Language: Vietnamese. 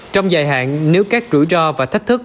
trong dài hạn nếu các rủi ro và thách thức